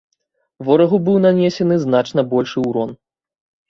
Ворагу быў нанесены значна большы ўрон.